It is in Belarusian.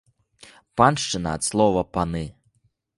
Паншчына ад слова паны.